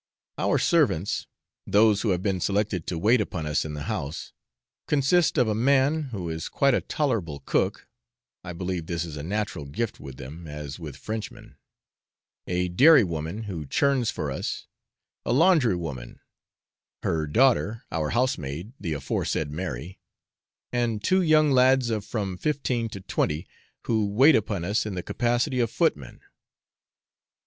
Our servants those who have been selected to wait upon us in the house consist of a man, who is quite a tolerable cook (I believe this is a natural gift with them, as with Frenchmen); a dairywoman, who churns for us; a laundrywoman; her daughter, our housemaid, the aforesaid Mary; and two young lads of from fifteen to twenty, who wait upon us in the capacity of footmen.